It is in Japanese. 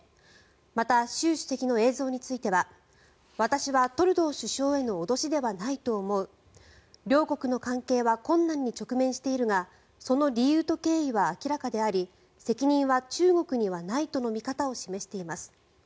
また、習主席の映像については私はトルドー首相への脅しではないと思う両国の関係は困難に直面しているがその理由と経緯は明らかであり責任は中国にはないとの見方を示しています。